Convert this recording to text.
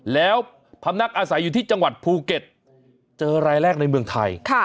แล้วพำนักอาศัยอยู่ที่จังหวัดภูเก็ตเจอรายแรกในเมืองไทย